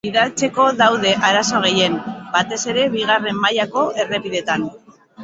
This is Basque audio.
Gidatzeko daude arazo gehien, batez ere bigarren mailako errepideetan.